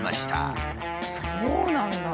そうなんだ！